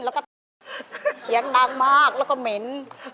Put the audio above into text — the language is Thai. แล้วก็เสียงดังมากแล้วก็เหม็น